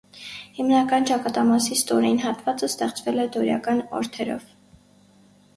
Հիմնական ճակատամասի ստորին հատվածը ստեղծվել է դորիական օրդերով։